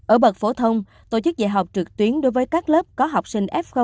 ở bậc phổ thông tổ chức dạy học trực tuyến đối với các lớp có học sinh f một